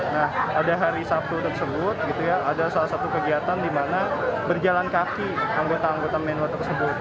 nah ada hari sabtu tersebut ada salah satu kegiatan di mana berjalan kaki anggota anggota menwa tersebut